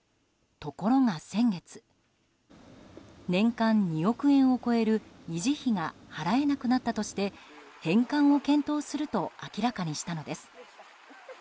ところが先月年間２億円を超える維持費が払えなくなったとして返還を検討すると明らかにしたのです。